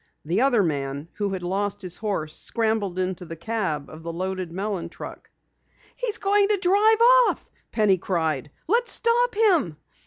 The other man, who had lost his horse, scrambled into the cab of the loaded melon truck. "He's going to drive off!" Penny cried. "Let's stop him!"